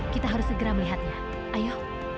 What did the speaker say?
kita harus segera melihatnya ayo